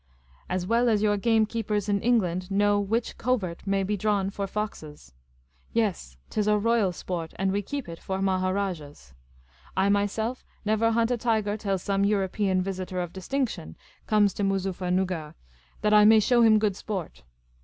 " As well as your gamekeepers in England know which covert may be drawn for foxes. Yes ; 't is a royal sport, and we keep it for maharajahs. I myself never hunt a tiger till some European visitor of distinction comes to Moozufifer nuggar, that I may show him good sport.